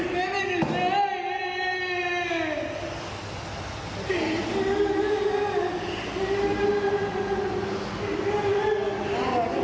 ทำเป็นผู้เป็นบ้านเลยผิดปฏิสุ่มที่สุ่มเวร